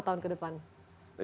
lima tahun kedepan